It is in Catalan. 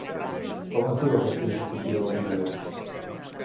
Com es diu aquesta institució avui dia?